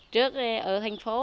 trước ở thành phố